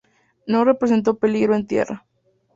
No representó peligro en tierra.